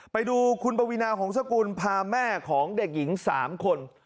ไปดูคุณปวีนาหงษกุลพาแม่ของเด็กหญิง๓คน